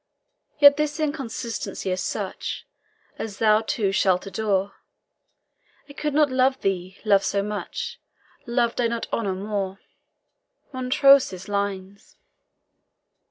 Yet this inconstancy is such, As thou, too, shalt adore; I could not love thee, love so much, Loved I not honour more. MONTROSE'S LINES.